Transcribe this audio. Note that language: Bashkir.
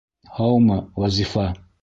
Һаумы, Вазифа.